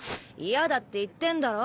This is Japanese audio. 嫌だって言ってんだろ！